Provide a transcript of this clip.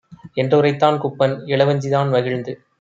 என்றுரைத்தான் Kuppan. Ilavanchi தான்மகிழ்ந்து